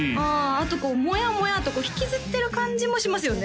あとこうもやもやと引きずってる感じもしますよね